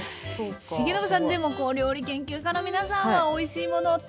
重信さんでも料理研究家の皆さんはおいしいもの